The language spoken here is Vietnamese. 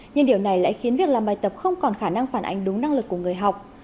nhưng điều này lại khiến việc làm bài tập không còn khả năng phản ánh đúng năng lực của người học